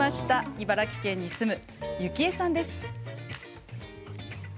茨城県に住む、ゆきえさんです。